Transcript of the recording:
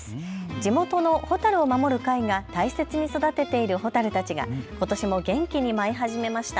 地元の蛍を守る会が大切に育てている蛍たちがことしも元気に舞い始めました。